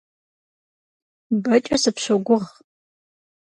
Бэкӏэ сыпщогугъ.